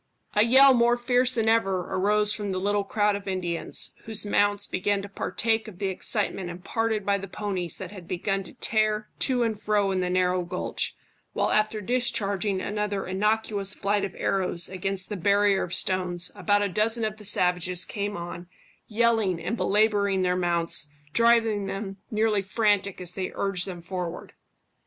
A yell more fierce than ever arose from the little crowd of Indians, whose mounts began to partake of the excitement imparted by the ponies that had begun to tear to and fro in the narrow gulch, while after discharging another innocuous flight of arrows against the barrier of stones, about a dozen of the savages came on, yelling and belabouring their mounts, driving them nearly frantic as they urged them forward.